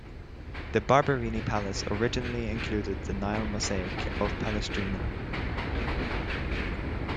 The Barberini Palace originally included the Nile mosaic of Palestrina.